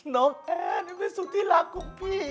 น้องแอนไม่สุดที่รักของพี่